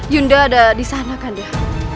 yunda ada disana kan dia